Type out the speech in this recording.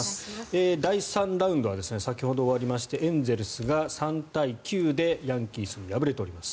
第３ラウンドは先ほど終わりましてエンゼルスが３対９でヤンキースに敗れております。